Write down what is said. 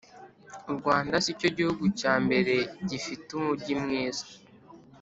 u rwanda sicyo gihugu cya mbere gifite umugi mwiza